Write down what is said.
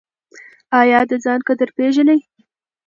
ایا د ځان قدر پیژنئ؟